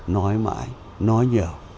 nói mãi nói nhiều